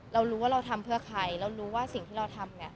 เราทำเพื่อใครแล้วรู้ว่าสิ่งที่เราทำ